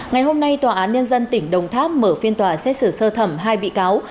ngày hôm nay tòa án nhân dân tỉnh đồng tháp mở phiên tòa xét xử sơ thẩm hai bị cáo